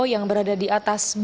yang berada di atas batas pendakian